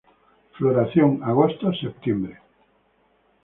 Floración: agosto-septiembre.